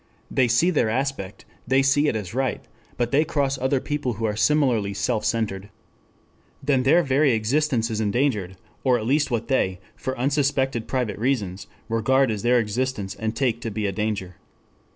They see their aspect. They see it as right. But they cross other people who are similarly self centered. Then their very existence is endangered, or at least what they, for unsuspected private reasons, regard as their existence and take to be a danger.